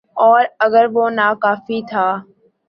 اوراگر وہ ناکافی تھا۔